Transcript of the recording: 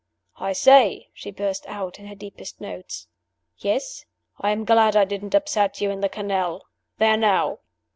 "I say!" she burst out, in her deepest notes. "Yes?" "I'm glad I didn't upset you in the canal. There now!"